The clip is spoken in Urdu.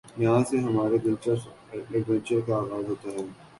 یہاں سے ہمارے دلچسپ ایڈونچر کا آغاز ہوتا ہے ۔